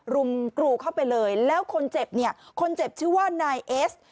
รุมกรูเข้าไปเลยแล้วคนเจ็บเนี่ยคนเจ็บชื่อว่านายเอส